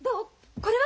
これは？